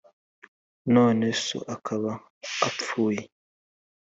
none so akaba apfuye,